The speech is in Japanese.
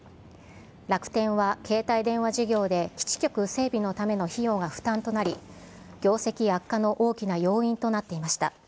楽天は携帯電話事業で基地局整備のための費用が負担となり、業績悪化の大きな要因となっていました。